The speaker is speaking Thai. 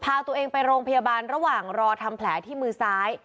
พาตัวเองไปโรงพยาบาลระหว่างรอทำแผลที่มือซ้าย